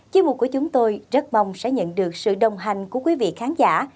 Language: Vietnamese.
chuyên mục của chúng tôi rất mong sẽ nhận được sự đồng hành của quý vị khán giả